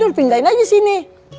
yaudah pindahin aja sini